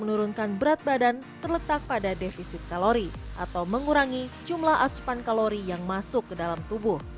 menurunkan berat badan terletak pada defisit kalori atau mengurangi jumlah asupan kalori yang masuk ke dalam tubuh